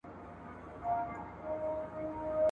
خر و ځان ته اريان و، خاوند ئې بار ته.